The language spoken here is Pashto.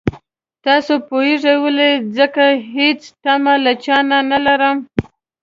تاسو پوهېږئ ولې ځکه هېڅ تمه له چا نه لرم.